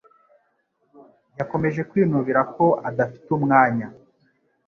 Yakomeje kwinubira ko adafite umwanya